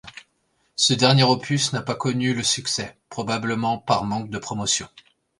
Ce dernier opus n'a pas connu le succès, probablement par manque de promotion.